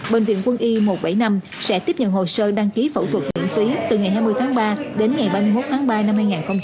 bệnh viện quân y một trăm bảy mươi năm sẽ tiếp nhận hồ sơ đăng ký phẫu thuật miễn phí từ ngày hai mươi tháng ba đến ngày ba mươi một tháng ba năm hai nghìn hai mươi